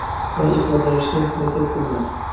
va ifodalashga harakat qilmas?